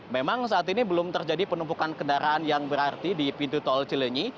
memang saat ini belum terjadi penumpukan kendaraan yang berarti di pintu tol cilenyi